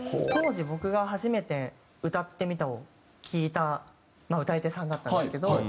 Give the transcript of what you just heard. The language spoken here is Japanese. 当時僕が初めて「歌ってみた」を聴いた歌い手さんだったんですけど。